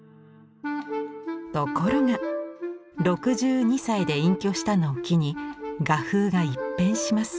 ところが６２歳で隠居したのを機に画風が一変します。